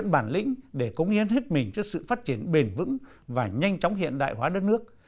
bản lĩnh để cống hiến hết mình cho sự phát triển bền vững và nhanh chóng hiện đại hóa đất nước